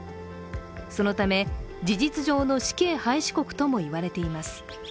そのため事実上の死刑廃止国とも言われています。